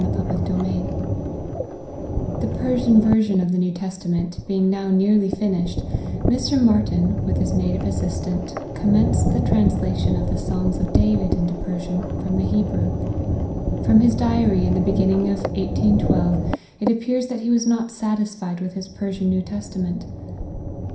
161 CHAPTER XL THE Persian version of the New Testament being now nearly finished, Mr. Martyn, with his native assistant, commenced the translation of the Psalms of David into Persian, from the Hebrew. From his diary in the beginning of 1812, it appears that he was not satisfied with his Persian New Testament.